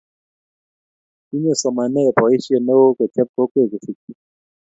tinye somanee boisie neoo kochop kokwe kusikchi